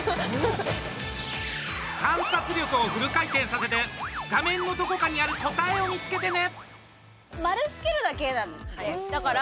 観察力をフル回転させて画面のどこかにある答えを見つけてね！